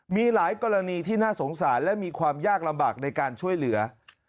มีหลายกรณีที่น่าสงสารและมีความยากลำบากในการช่วยเหลือ